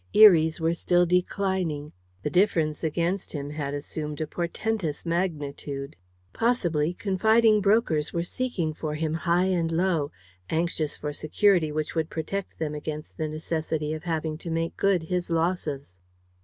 Eries were still declining. The difference against him had assumed a portentous magnitude. Possibly, confiding brokers were seeking for him high and low, anxious for security which would protect them against the necessity of having to make good his losses.